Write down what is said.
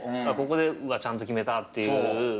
ここでうわっちゃんと決めたっていう。